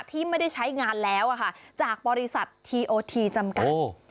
ที่ไม่ได้ใช้งานแล้วจากบริษัททีโอทีจำกัด